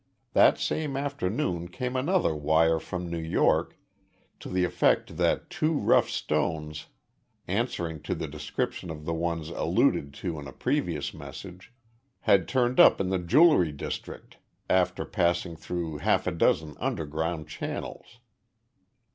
That same afternoon came another wire from New York to the effect that two rough stones, answering to the description of the ones alluded to in a previous message, had turned up in the jewelry district after passing through half a dozen underground channels.